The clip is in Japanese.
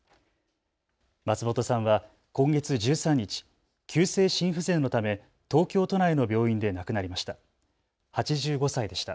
松本さんは今月１３日、急性心不全のため東京都内の病院で亡くなりました。